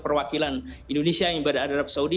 perwakilan indonesia yang berada di arab saudi